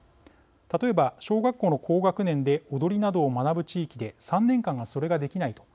例えば、小学校の高学年で踊りなどを学ぶ地域で３年間それができない。